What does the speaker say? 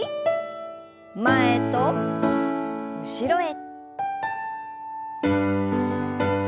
前と後ろへ。